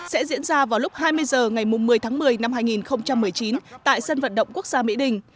sẽ diễn ra vào lúc hai mươi h ngày một mươi tháng một mươi năm hai nghìn một mươi chín tại sân vận động quốc gia mỹ đình